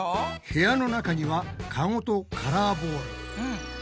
部屋の中にはカゴとカラーボール。